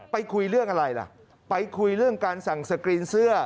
คุยเรื่องอะไรล่ะไปคุยเรื่องการสั่งสกรีนเสื้อ